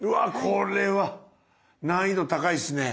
これ難易度高いですね！